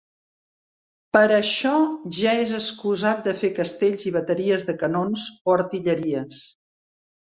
Per això ja és excusat de fer castells i bateries de canons, o artilleries.